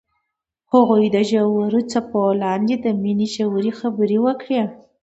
هغوی د ژور څپو لاندې د مینې ژورې خبرې وکړې.